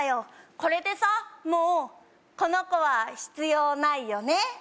これでさもうこの子は必要ないよね？